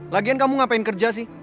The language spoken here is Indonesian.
lagian kamu ngapain kerja sih